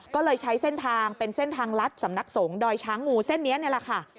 ก็เลยใช้เส้นทางเป็นเส้นทางลัดสำนักสงฆ์ดอยช้างงูเส้นนี้นี่แหละค่ะ